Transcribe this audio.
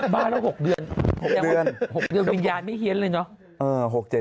บ้านเรา๖เดือนยังวิญญาณไม่เขี้ยนเลยเนอะ